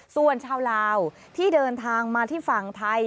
ส่วนชาวลาวที่เดินทางมาที่ฝั่งไทย